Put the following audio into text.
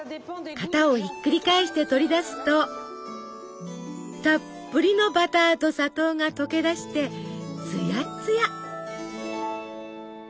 型をひっくり返して取り出すとたっぷりのバターと砂糖が溶け出してつやつや！